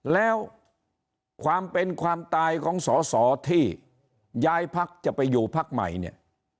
แล้วความเป็นความตายของสอสอที่ย้ายพักจะไปอยู่พักใหม่เนี่ย